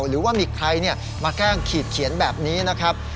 หรือว่ามีใครมาแกล้งขีดเขียนแบบนี้นะครับ